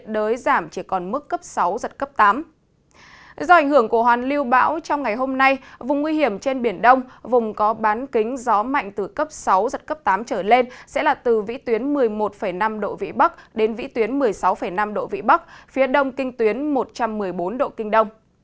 do ảnh hưởng của hoàn lưu bão trong ngày hôm nay vùng nguy hiểm trên biển đông vùng có bán kính gió mạnh từ cấp sáu giật cấp tám trở lên sẽ là từ vĩ tuyến một mươi một năm độ vĩ bắc đến vĩ tuyến một mươi sáu năm độ vị bắc phía đông kinh tuyến một trăm một mươi bốn độ kinh đông